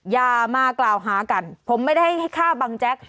อย่ามากล่าวหากันผมไม่ได้ให้ฆ่าบังแจ๊ก